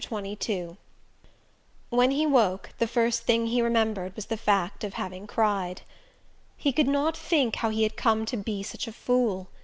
XXII When he woke, the first thing he remembered was the fact of having cried. He could not think how he had come to be such a fool.